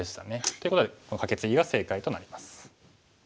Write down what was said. っていうことでこのカケツギが正解となります。